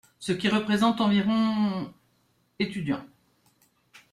Ce qui représente environ étudiants.